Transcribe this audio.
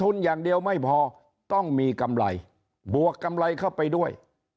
อย่างเดียวไม่พอต้องมีกำไรบวกกำไรเข้าไปด้วย